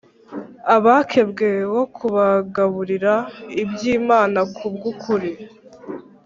abakebwe wo kubagaburira iby Imana ku bw ukuri